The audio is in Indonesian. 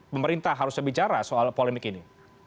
pemerintah harusnya bicara soal polemik ini